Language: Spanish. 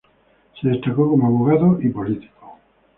Se destacó como abogado y político.